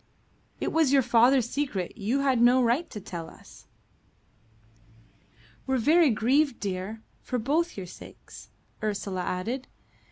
"It was your father's secret. You had no right to tell us." "We're very grieved, dear, for both your sakes," Ursula added.